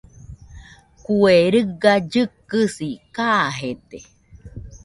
Kue riga llɨkɨsi kajede.